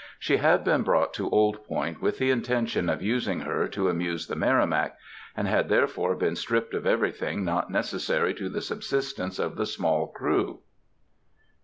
She had been brought to Old Point with the intention of using her to amuse the Merrimack, and had therefore been stripped of everything not necessary to the subsistence of the small crew.